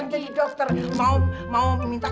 wah gila bener